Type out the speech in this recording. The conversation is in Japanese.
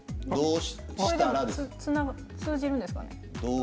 これでも通じるんですか。